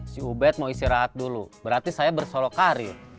si ubed mau istirahat dulu berarti saya bersolok karir